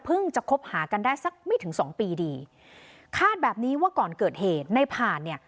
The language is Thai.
จะคบหากันได้สักไม่ถึงสองปีดีคาดแบบนี้ว่าก่อนเกิดเหตุในผ่านเนี่ย